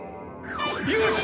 よし！